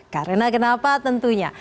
karena kenapa tentunya